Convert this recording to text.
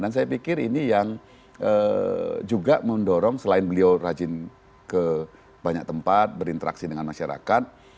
dan saya pikir ini yang juga mendorong selain beliau rajin ke banyak tempat berinteraksi dengan masyarakat